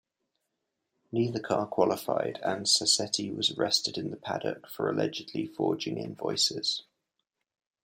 Neither car qualified and Sassetti was arrested in the paddock for allegedly forging invoices.